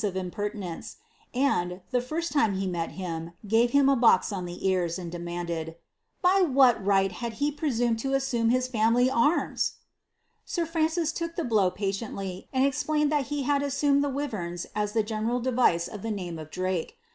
339 of impertinence, and, the first time he met him, gave him a box on the cars, and demanded, ^ by what ri^ht he had presumed to assume his frmily anns ?^ Sir Francis took the blow patiently, and explained that be had assumed the wiverns as the general device of the name of Drake.